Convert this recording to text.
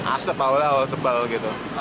asap awalnya awal tebal gitu